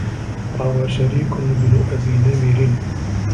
رَوَى شَرِيكُ بْنُ أَبِي نَمِرٍ